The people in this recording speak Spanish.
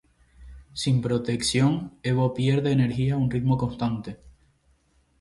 Sin protección, Evo pierde energía a un ritmo constante.